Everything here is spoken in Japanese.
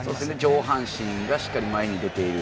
上半身がしっかり前に出ている。